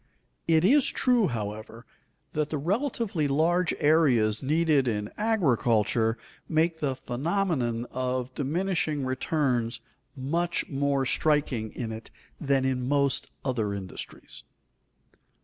It is true, however, that the relatively large areas needed in agriculture make the phenomenon of diminishing returns much more striking in it than in most other industries.